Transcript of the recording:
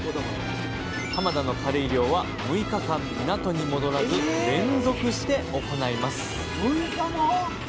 浜田のカレイ漁は６日間港に戻らず連続して行います